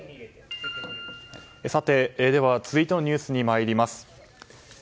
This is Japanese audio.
では続いてのニュースに参ります。